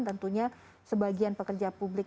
tentunya sebagian pekerja publik